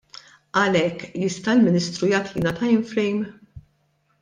Għalhekk jista' l-Ministru jagħtina timeframe?